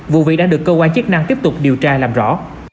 vụ việc đang được cơ quan chức năng tiếp tục điều tra làm rõ